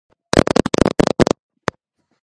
დასავლეთით ესაზღვრება ტაილანდის ყურე.